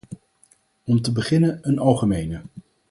Om te beginnen een algemene.